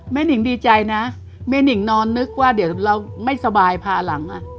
หนิงดีใจนะแม่นิ่งนอนนึกว่าเดี๋ยวเราไม่สบายพาหลัง